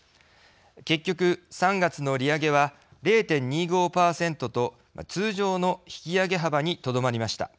結局３月の利上げは０．２５％と通常の引き上げ幅にとどまりました。